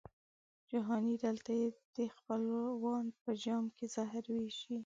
جهاني دلته دي خپلوان په جام کي زهر وېشي